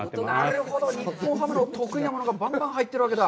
なるほど、日本ハムの得意なものがバンバン入ってるわけだ。